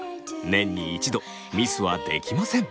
年に一度ミスはできません。